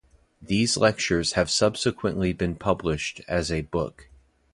These lectures have subsequently been published as a book.